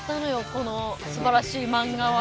このすばらしいマンガは。